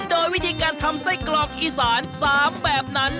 โดยวิธีการทำไส้กรอกอีสาน๓แบบนั้น